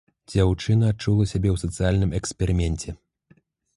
Дзяўчына адчула сябе ў сацыяльным эксперыменце.